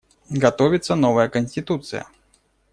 Готовится новая Конституция.